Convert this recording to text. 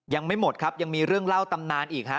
ยังไม่หมดครับยังมีเรื่องเล่าตำนานอีกฮะ